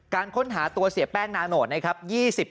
การค้นหาตัวเสียแป้งนาโนตนะครับ